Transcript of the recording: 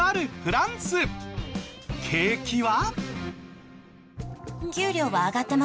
景気は？